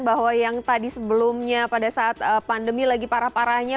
bahwa yang tadi sebelumnya pada saat pandemi lagi parah parahnya